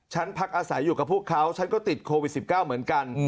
พักอาศัยอยู่กับพวกเขาฉันก็ติดโควิด๑๙เหมือนกัน